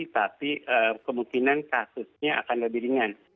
tapi kemungkinan kasusnya akan lebih ringan